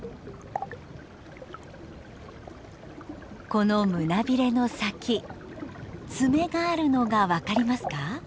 この胸びれの先爪があるのが分かりますか？